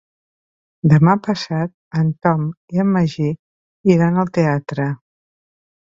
Demà passat en Tom i en Magí iran al teatre.